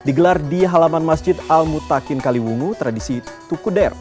digelar di halaman masjid al mutakin kaliwungu tradisi tukuder